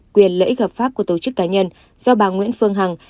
quyền lợi ích hợp pháp của tổ chức cá nhân do bà nguyễn phương hằng